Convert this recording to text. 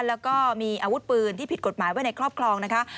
แล้วก็มีอาวุธปืนที่ผิดกฎหมายไว้ในครอบครองนะคะ